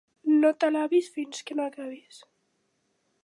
No t'alabis fins que no acabis.